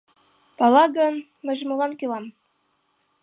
— Пала гын, мыйже молан кӱлам?